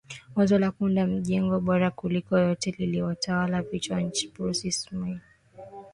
wazo la kuunda mjengo bora kuliko yote lilitawala kichwa ch bruce ismay